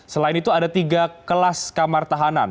selain itu ada tiga kelas kamar tahanan